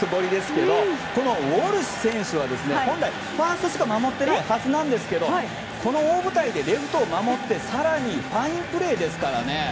このウォルシュ選手は本来ファーストしか守ってないはずですがこの大舞台でレフトを守って更にファインプレーですからね。